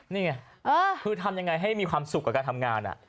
นี่ไงคือทำยังไงให้มีความสุขกับการทำงาน